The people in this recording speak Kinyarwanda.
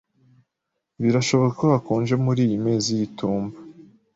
Birashoboka ko hakonje muriyi mezi y'itumba.